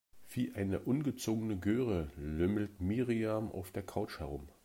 Wie eine ungezogene Göre lümmelt Miriam auf der Couch herum.